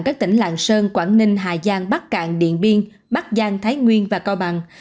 các tỉnh lạng sơn quảng ninh hà giang bắc cạn điện biên bắc giang thái nguyên và cao bằng